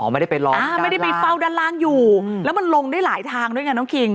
ไม่ได้ไปรออ่าไม่ได้ไปเฝ้าด้านล่างอยู่แล้วมันลงได้หลายทางด้วยไงน้องคิง